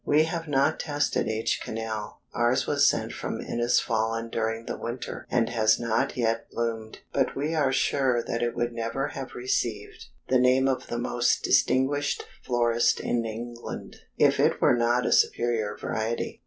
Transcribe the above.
We have not tested H. Cannell, ours was sent from Innisfallen during the winter, and has not yet bloomed, but we are sure that it would never have received the name of the most distinguished florist in England, if it were not a superior variety.